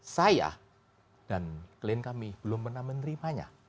saya dan klien kami belum pernah menerimanya